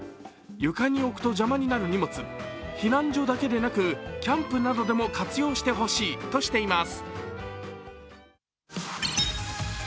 床に置くと邪魔になる荷物、避難所だけでなく、キャンプなどでも活用してほしいとしています。